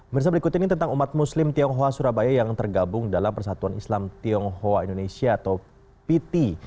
mirsa berikut ini tentang umat muslim tionghoa surabaya yang tergabung dalam persatuan islam tionghoa indonesia atau piti